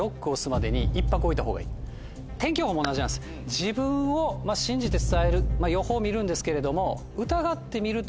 自分を信じて伝える予報みるんですけれども。